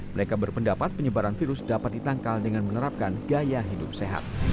mereka berpendapat penyebaran virus dapat ditangkal dengan menerapkan gaya hidup sehat